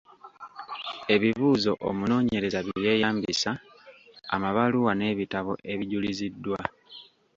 Ebibuuzo omunoonyereza bye yeeyambisa, amabaluwa n'ebitabo ebijuliziddwa.